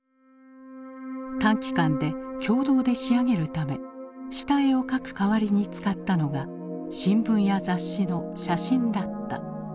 短期間で共同で仕上げるため下絵を描くかわりに使ったのが新聞や雑誌の「写真」だった。